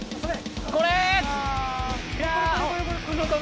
これ！